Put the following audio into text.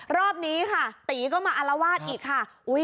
รอบนี้ค่ะตีก็มาอารวาสอีกค่ะ